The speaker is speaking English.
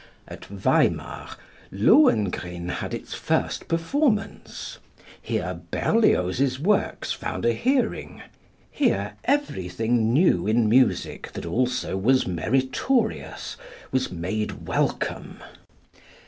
At Weimar, "Lohengrin" had its first performance; here Berlioz's works found a hearing; here everything new in music that also was meritorious was made welcome.